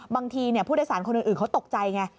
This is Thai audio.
บางทีผู้โดยสารคนอื่นเขาตกใจไง